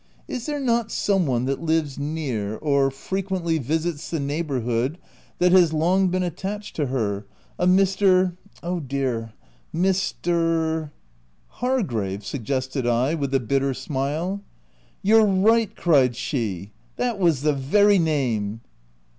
Is there not some one that lives near — or frequently visits the neighbourhood, that has long been attached to her ? a Mr. — oh dear !— Mr. —*'" Hargrave ?" suggested I, with a bitter smile. " You're right ! cried she, " that was the very name."